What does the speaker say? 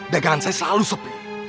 dekan saya selalu sepi